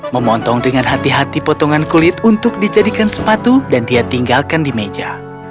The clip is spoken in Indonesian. memotong dengan hati hati potongan kulit untuk dijadikan sepatu dan dia tinggalkan di meja